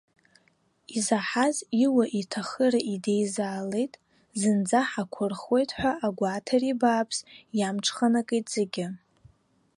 Изаҳаз иуа-иҭахыра идеизалеит, зынӡа ҳақәырхуеит ҳәа агәаҭеира бааԥс иамҽханакит зегьы.